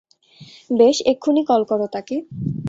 বেশ এক্ষুনি কল করো তাকে।